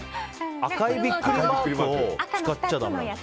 赤いビックリマークを使っちゃダメ。